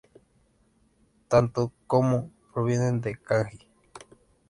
Tanto へ como ヘ provienen del kanji 部.